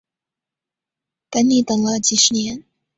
等你等了几十年